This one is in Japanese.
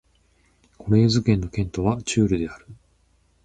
コレーズ県の県都はチュールである